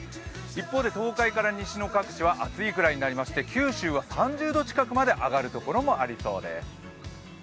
一方で、東海から西の各地は暑いくらいになりまして九州は３０度近くまで上がるところもありそうです。